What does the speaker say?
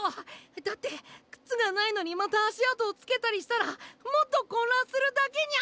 だってくつがないのにまたあしあとをつけたりしたらもっとこんらんするだけニャ！